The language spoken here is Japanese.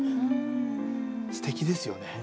すてきですよね。